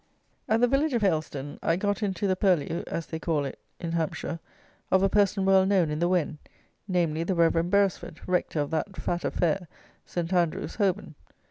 At the village of Hailstone, I got into the purlieu, as they call it in Hampshire, of a person well known in the Wen; namely, the Reverend Beresford, rector of that fat affair, St. Andrew's, Holborn!